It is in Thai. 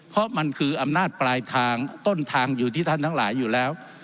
เพราะมันคืออำนาจปลายทางต้นทางอยู่ที่ท่านทั้งหลายอยู่แล้ว